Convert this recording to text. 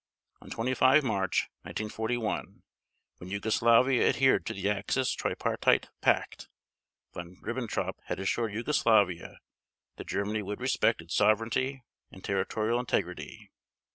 On 25 March 1941, when Yugoslavia adhered to the Axis Tripartite Pact, Von Ribbentrop had assured Yugoslavia that Germany would respect its sovereignty and territorial integrity.